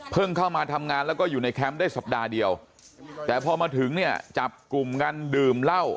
เข้ามาทำงานแล้วก็อยู่ในแคมป์ได้สัปดาห์เดียวแต่พอมาถึงเนี่ยจับกลุ่มกันดื่มเหล้า